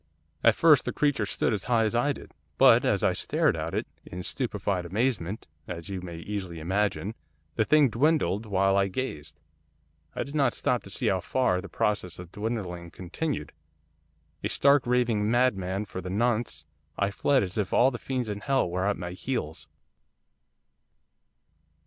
'At first the creature stood as high as I did. But, as I stared at it, in stupefied amazement, as you may easily imagine, the thing dwindled while I gazed. I did not stop to see how far the process of dwindling continued, a stark raving madman for the nonce, I fled as if all the fiends in hell were at my heels.